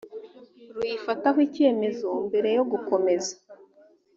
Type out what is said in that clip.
ruyifataho icyemezo mbere yo gukomeza